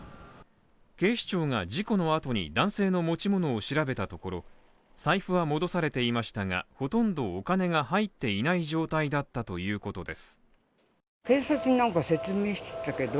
警視庁が事故の後に男性の持ち物を調べたところ、財布は戻されていましたが、ほとんどお金が入っていない状態だったということです。